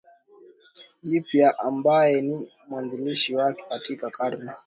Jipya ambaye ni mwanzilishi wake katika karne